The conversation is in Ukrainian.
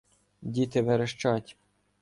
Діти верещать.